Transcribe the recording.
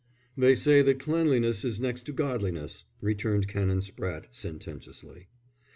"They say that cleanliness is next to godliness," returned Canon Spratte, sententiously.